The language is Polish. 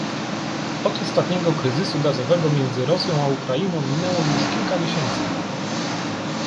Od ostatniego kryzysu gazowego między Rosją a Ukrainą minęło już kilka miesięcy